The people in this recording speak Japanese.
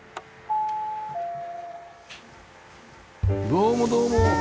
どうもどうも。